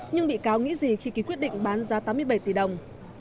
nhưng bị cáo nghĩ gì khi ký quyết định bán ra tám mươi bảy tỷ đồng